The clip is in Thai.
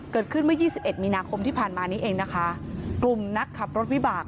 เกิดขึ้นเมื่อยี่สิบเอ็ดมีนาคมที่ผ่านมานี้เองนะคะกลุ่มนักขับรถวิบาก